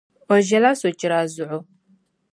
O ʒiɛla sochira zuɣu.